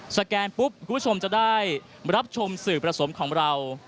สแกนปุ๊บกุชมจะได้รับชมสื่อผสมของเรา